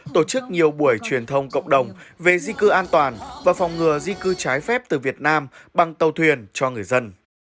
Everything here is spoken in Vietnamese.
tổ chức nhiều buổi truyền thông cộng đồng về di cư an toàn và phòng ngừa di cư trái phép từ việt nam bằng tàu thuyền cho người dân